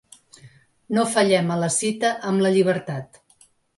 No fallem a la cita amb la llibertat.